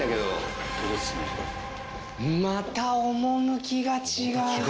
また趣が違う。